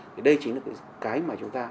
thì đây chính là cái mà chúng ta